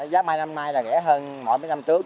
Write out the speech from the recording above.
giá mai năm nay là rẻ hơn mỗi năm trước